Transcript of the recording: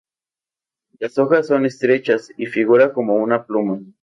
Las hojas son estrechas y figura como una pluma.